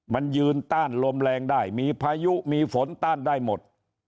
มันยืนต้านลมแรงได้มีพายุมีฝนต้านได้หมด